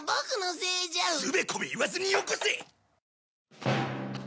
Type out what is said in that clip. つべこべ言わずによこせ！